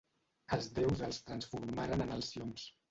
Els déus els transformaren en alcions.